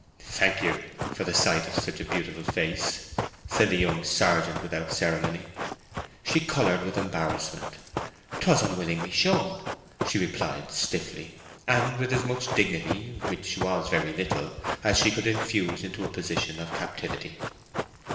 "Thank you for the sight of such a beautiful face!" said the young sergeant, without ceremony. She coloured with embarrassment. "'Twas unwillingly shown," she replied, stiffly, and with as much dignity—which was very little—as she could infuse into a position of captivity.